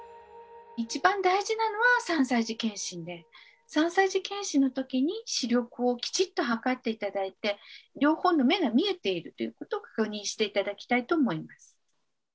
一番大事なのは３歳児健診で３歳児健診の時に視力をきちっと測って頂いて両方の目が見えているということを確認して頂きたいと思います。